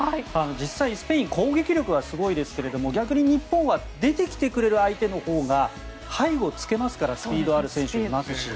実際、スペイン攻撃力がすごいですが逆に日本は出てきてくれる相手のほうが背後を突けますからスピードのある選手いますし。